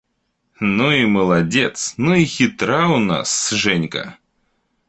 – Ну и молодец, ну и хитра у нас Женька!